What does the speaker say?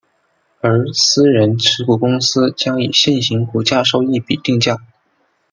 而私人持股公司将以现行股价收益比定价。